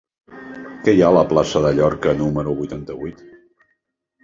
Què hi ha a la plaça de Llorca número vuitanta-vuit?